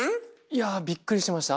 いやぁびっくりしました。